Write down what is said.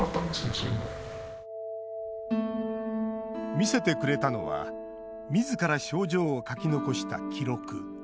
見せてくれたのはみずから症状を書き残した記録。